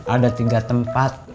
ada tiga tempat